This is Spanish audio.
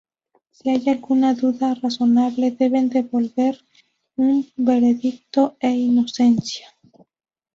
Si hay alguna duda razonable, deben devolver un veredicto de inocencia.